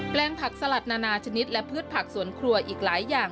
ลงผักสลัดนานาชนิดและพืชผักสวนครัวอีกหลายอย่าง